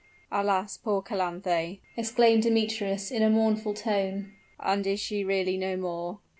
"Alas! poor Calanthe!" exclaimed Demetrius, in a mournful tone; "and is she really no more?"